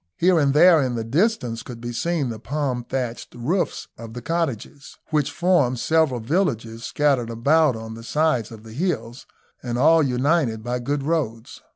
Here and there in the distance could be seen the palm thatched roofs of the cottages, which form several villages scattered about on the sides of the hills, and all united by good roads.